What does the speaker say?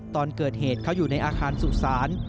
ตอนเกิดเหตุเขาอยู่ในอาคารสุสาน